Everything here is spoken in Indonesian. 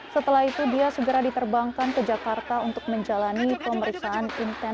setelah itu dia segera diterbangkan ke jakarta untuk menjalani pemeriksaan intensif